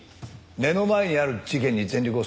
目の前にある事件に全力を注げ。